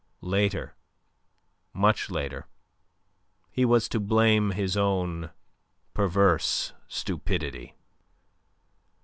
Later, much later, he was to blame his own perverse stupidity.